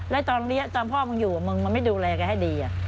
แล้วตอนพ่อมึงอยู่มันไม่ดูแลแกให้ดี